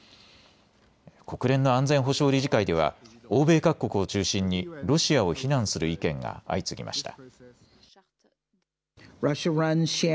国連の安全保障理事会では欧米各国を中心にロシアを非難する意見が相次ぎました。